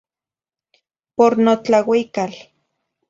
Por notlauical.